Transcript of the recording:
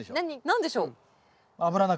何でしょう？